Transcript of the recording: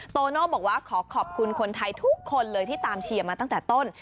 โตโน่บอกว่าขอขอบคุณคนไทยทุกคนเลยที่ตามเชียร์มาตั้งแต่ต้น